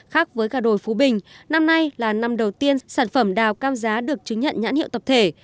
khác với gà đồi phú bình năm nay là năm đầu tiên sản phẩm đào cam giá được chứng nhận nhãn hiệu tập thể